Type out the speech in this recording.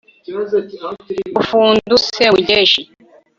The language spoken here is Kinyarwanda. Bufundu Semugeshi